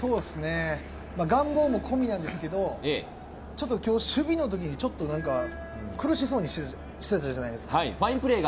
願望も込みなんですけど、ちょっと今日、守備のときに、苦しそうにしていたじゃないですか。